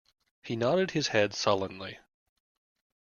He nodded his head sullenly.